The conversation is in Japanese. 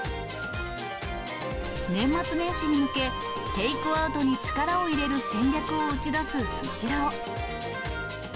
年末年始に向け、テイクアウトに力を入れる戦略を打ち出すスシロー。